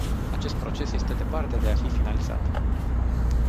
Acest proces este departe de a fi finalizat.